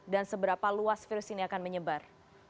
dan seberapa luas virus ini akan menyebar